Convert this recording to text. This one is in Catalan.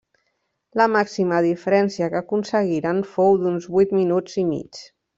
La màxima diferència que aconseguiren fou d'uns vuit minuts i mig.